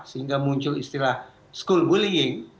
sehingga muncul istilah school bullying